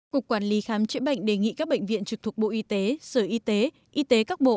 cục quản lý khám chữa bệnh đề nghị các bệnh viện trực thuộc bộ y tế sở y tế y tế các bộ